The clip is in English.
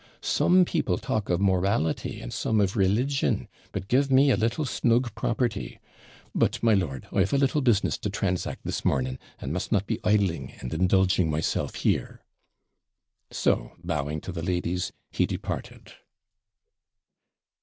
SOME PEOPLE TALK OF MORALITY, AND SOME OF RELIGION, BUT GIVE ME A LITTLE SNUG PROPERTY. But, my lord, I've a little business to transact this morning, and must not be idling and indulging myself here.' So, bowing to the ladies, he departed.